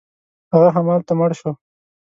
هغه همالته مړ شو.